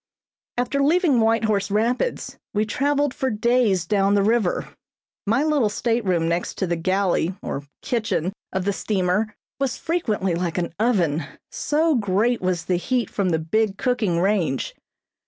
After leaving White Horse Rapids we traveled for days down the river. My little stateroom next the galley or kitchen of the steamer was frequently like an oven, so great was the heat from the big cooking range.